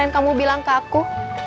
yang kamu bilang ke aku